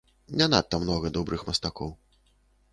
Не надта многа добрых мастакоў.